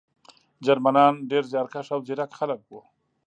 جرمنان ډېر زیارکښ او ځیرک خلک وو